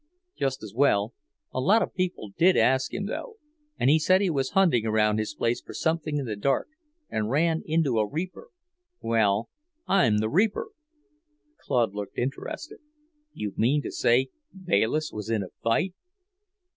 "Just as well. A lot of people did ask him, though, and he said he was hunting around his place for something in the dark and ran into a reaper. Well, I'm the reaper!" Claude looked interested. "You mean to say Bayliss was in a fight?"